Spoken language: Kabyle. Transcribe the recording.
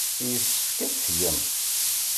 Yessefk ad t-tgem.